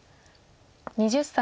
２０歳。